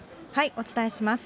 お伝えします。